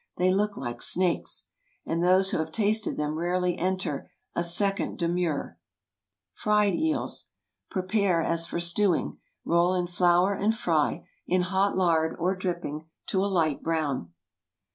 They look like snakes!" And those who have tasted them rarely enter a second demurrer. FRIED EELS. Prepare as for stewing; roll in flour, and fry, in hot lard or dripping, to a light brown.